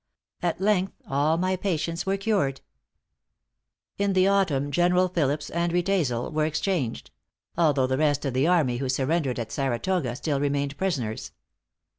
At length all my patients were cured." In the autumn Generals Phillips and Riedesel were exchanged; although the rest of the army who surrendered at Saratoga still remained prisoners.